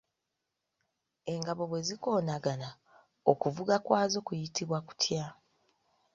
Engabo bwe zikoonagana, okuvuga kwazo kuyitibwa kutya?